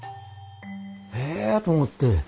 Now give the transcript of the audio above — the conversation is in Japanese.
えと思って。